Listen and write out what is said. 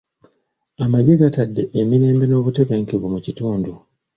Amagye gaatadde emirembe n'obutebenkevu mu kitundu.